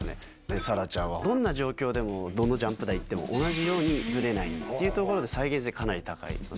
沙羅ちゃんはどんな状況でもどのジャンプ台行っても、同じようにぶれないというところで、再現性、かなり高いので。